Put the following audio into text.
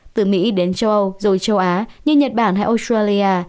từ mỹ đến châu âu rồi châu á như nhật bản hay australia